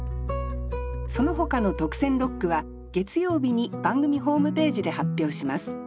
そのほかの特選六句は月曜日に番組ホームページで発表します。